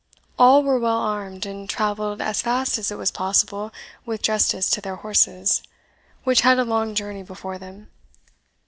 All were well armed, and travelled as fast as it was possible with justice to their horses, which had a long journey before them.